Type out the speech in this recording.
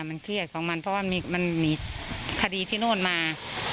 มันเครียดของมันเพราะว่ามันมีคดีที่โน่นมา